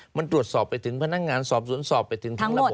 มันตรวจสอบไปถึงพนักงานสอบสวนสอบไปถึงทั้งระบบ